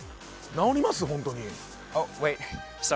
直ります本当に。